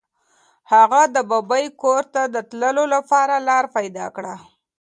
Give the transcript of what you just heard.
هغه د ببۍ کور ته د تللو لپاره لاره پیدا کړه.